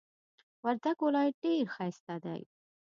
وردک ولایت ډیر ښایسته دی.